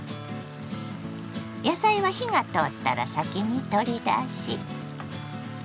野菜は火が通ったら先に取り出し。